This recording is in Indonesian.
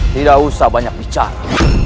tidak usah banyak bicara